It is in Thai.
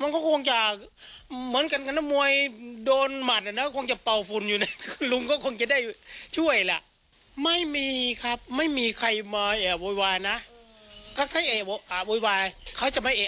ลุงก็ต้องรู้ลุงก็ต้องรับทราบ